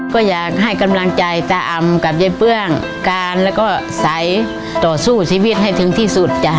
ก็อยากให้กำลังใจตาอำกับเย้เปื้องการแล้วก็ใสต่อสู้ชีวิตให้ถึงที่สุดจ้ะ